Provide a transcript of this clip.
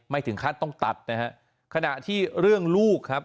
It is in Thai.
ไม่ถึงคาดต้องตัดนะครับขณะที่เรื่องลูกครับ